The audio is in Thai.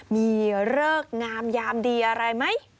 มีเลิกงามยามดีอะไรไหม